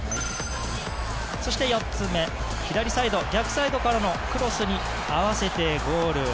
そして４つ目左サイド、逆サイドからのクロスに合わせてゴール。